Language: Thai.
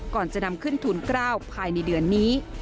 ก่อนจะนำขึ้นทุน๙ภายในเดือนนี้